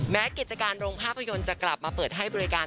กิจการโรงภาพยนตร์จะกลับมาเปิดให้บริการ